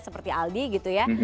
seperti aldi gitu ya